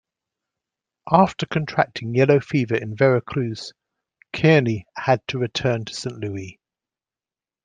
After contracting yellow fever in Veracruz, Kearny had to return to Saint Louis.